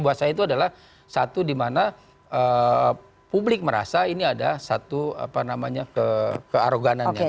buat saya itu adalah satu di mana publik merasa ini ada satu kearoganannya